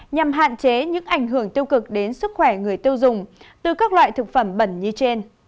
nhằm hạn chế những ảnh hưởng tiêu cực đến sức khỏe người tiêu dùng từ các loại thực phẩm bẩn như trên